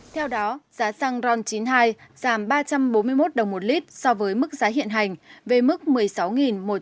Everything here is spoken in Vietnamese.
theo đó giá xăng ron chín mươi hai giảm ba trăm bốn mươi một đồng một lít so với mức giá hiện hành về mức một mươi sáu một trăm sáu mươi tám đồng một lít